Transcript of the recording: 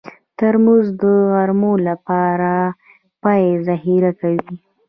ترموز د غرمو لپاره چای ذخیره کوي.